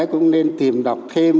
cũng nên tìm đọc thêm